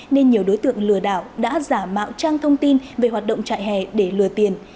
nên nhiều đối tượng lừa đảo đã giả mạo trang thông tin về hoạt động trại hè để lừa tiền